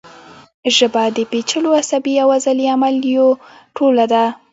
ژبه د پیچلو عصبي او عضلي عملیو ټولګه ده